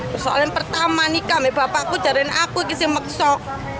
persoalan pertama nikah bapakku jadikan aku yang semak sok